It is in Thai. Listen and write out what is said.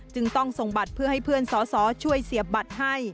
จึงต้องส่งบัตรเพื่อให้เพื่อนสอสอช่วยเสียบบัตรให้